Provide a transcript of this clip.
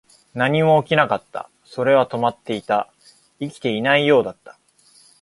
何も起きなかった。それは止まっていた。生きていないようだった。